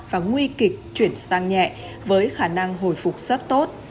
và nguy kịch chuyển sang nhẹ với khả năng hồi phục rất tốt